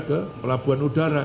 ke pelabuhan udara